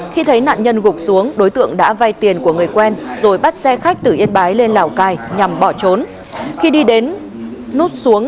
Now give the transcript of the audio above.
khi thấy nạn nhân gục xuống đối tượng đã vay tiền của người quen rồi bắt xe khách từ yên bái lên lào cai nhằm bỏ trốn